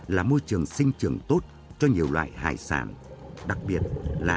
là môi trường sinh trường tốt cho nhiều loài thủy hải sản